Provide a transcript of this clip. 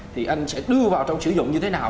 thì anh sẽ đưa vào trong sử dụng như thế nào